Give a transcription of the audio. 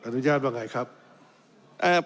อนุญาตว่าไงครับ